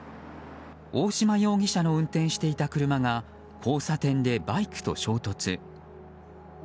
大島容疑者の運転していた車が交差点でバイクと衝突。